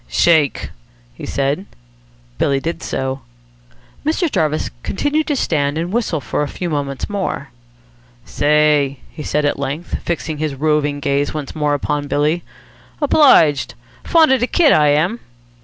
"Shake!" he said. Billy did so. Mr. Jarvis continued to stand and whistle for a few moments more. "Say!" he said at length, fixing his roving gaze once more upon Billy. "Obliged. Fond of de kit, I am."